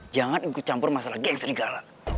jangan gue campur masalah geng sendiri ke allah